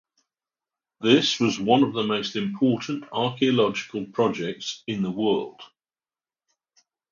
This was one of the most important archaeological projects in the world.